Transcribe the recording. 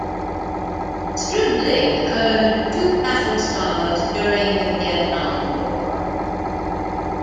"Stribling" earned two battle stars during the Vietnam War.